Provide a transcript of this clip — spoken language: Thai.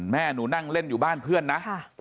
แม่หนูนั่งเล่นอยู่บ้านเพื่อนนะ